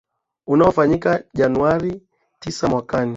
ayofanyika januari tisa mwakani